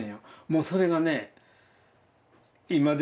もうそれがね。